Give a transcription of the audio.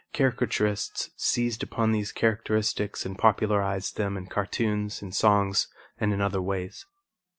Caricaturists seized upon these characteristics and popularized them in cartoons, in songs and in other ways.